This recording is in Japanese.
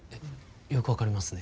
よく分かりますね。